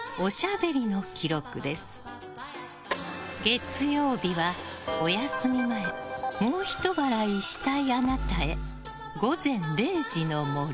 月曜日は、お休み前もうひと笑いしたいあなたへ。